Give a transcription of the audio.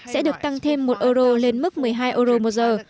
sẽ được tăng thêm một euro lên mức một mươi hai euro một giờ